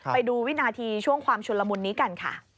ไปดูวินาทีช่วงความชลมุนนี้กัน